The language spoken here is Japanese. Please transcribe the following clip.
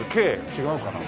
違うかな。